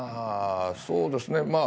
そうですね。